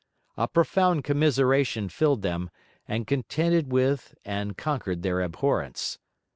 A profound commiseration filled them, and contended with and conquered their abhorrence.